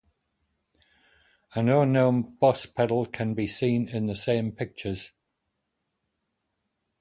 An unknown Boss pedal can be seen in the same pictures.